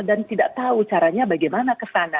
dan tidak tahu caranya bagaimana kesana